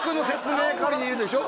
青森にいるでしょ？